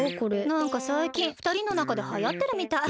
なんかさいきんふたりのなかではやってるみたい。